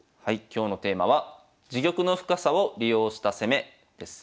今日のテーマは「自玉の深さを利用した攻め」です。